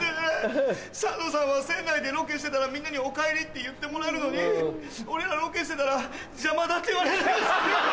サンドさんは仙台でロケしてたらみんなに「おかえり」って言ってもらえるのに俺らロケしてたら「邪魔だ」って言われるんです。